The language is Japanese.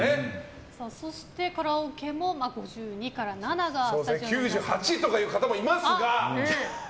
そしてカラオケも９２から７が９８という方もいますが。